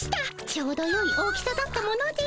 ちょうどよい大きさだったもので。